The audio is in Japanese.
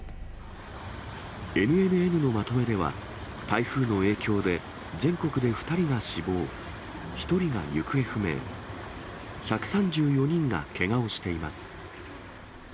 ＮＮＮのまとめでは、台風の影響で全国で２人が死亡、１人が行方不明、１３４人がけがをしています。